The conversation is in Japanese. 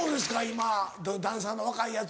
今ダンサーの若いヤツ。